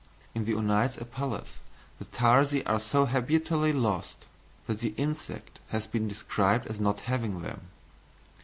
In the Onites apelles the tarsi are so habitually lost that the insect has been described as not having them.